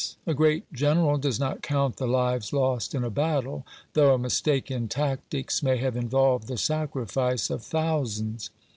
A great General does not count the lives lost in a battle, though a mistake in tactics may have involved the sacrifice of thousands.